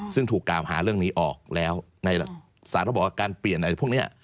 ซึ่งถูกกามหาเรื่องนี้ออกแล้วสามารถบอกว่าการเปลี่ยนพวกนี้